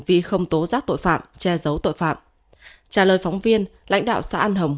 vì không tố giác tội phạm che giấu tội phạm trả lời phóng viên lãnh đạo xã an hồng